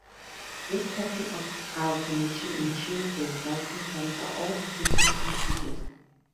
This pattern of alternation ensures the resulting sums are all positive integers.